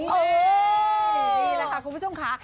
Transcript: นี่แหละค่ะคุณผู้ชมค่ะ